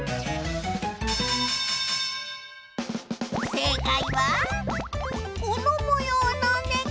正解はこのもようのネコさんじゃ！